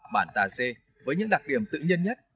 bản tà xê với những đặc điểm tự nhiên nhất